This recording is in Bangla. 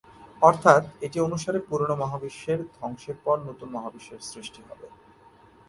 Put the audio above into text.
অর্থাৎ এটি অনুসারে পুরনো মহাবিশ্বের ধ্বংসের পর নতুন মহাবিশ্বের সৃষ্টি হবে।